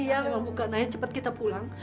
iya memang bukan ayo cepat kita pulang